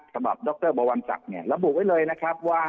สำหรับดรบวรศักดิ์เนี่ยระบุไว้เลยนะครับว่า